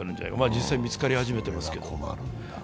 実際、見つかり始めていますが。